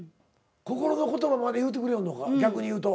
心の言葉まで言うてくれよんのか逆に言うと。